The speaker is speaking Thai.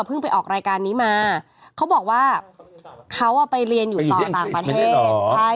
เพิ่งไปออกรายการนี้มาเค้าบอกว่าเค้าไปเรียนอยู่ต่อต่างประเทศ